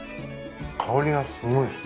香りがすごいです。